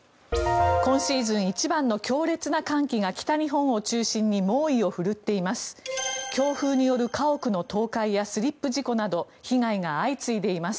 今シーズン一番の強烈な寒気が北日本を中心に猛威を振るっています。